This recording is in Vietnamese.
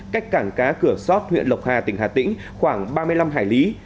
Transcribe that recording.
cách cảng cá cửa sót huyện lộc hà tỉnh hà tĩnh khoảng ba mươi năm hải lý